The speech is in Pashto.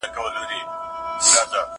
زه اوس مکتب ته ځم؟